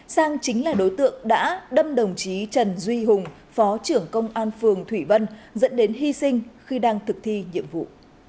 sang chính là đối tượng đã đâm đồng chí trần duy hùng phó trưởng công an phường thủy vân dẫn đến hy sinh khi đang thực thi nhiệm vụ